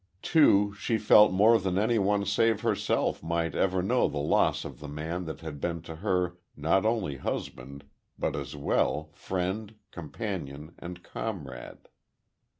Too, she felt more than anyone save herself might ever know the loss of the man that had been to her not only husband but as well friend, companion and comrade.